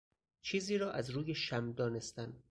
چیزی را از روی شم دانستن